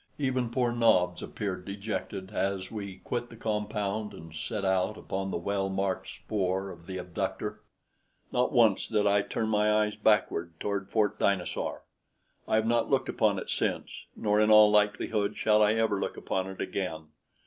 Even poor Nobs appeared dejected as we quit the compound and set out upon the well marked spoor of the abductor. Not once did I turn my eyes backward toward Fort Dinosaur. I have not looked upon it since nor in all likelihood shall I ever look upon it again.